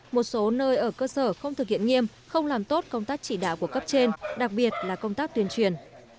một số nơi ở cơ sở không thực hiện nghiêm không làm tốt công tác chỉ đạo của cấp trên đặc biệt là công tác tuyên truyền